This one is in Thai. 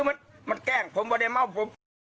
มันมันแก้งผมเลยเบาผม